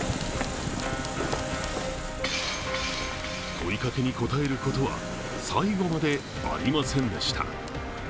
問いかけに答えることは最後までありませんでした。